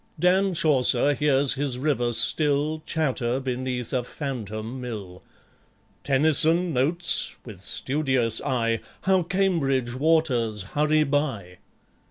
Dan Chaucer hears his river still Chatter beneath a phantom mill. Tennyson notes, with studious eye, How Cambridge waters hurry by